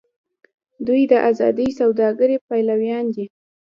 دوی د ازادې سوداګرۍ پلویان دي.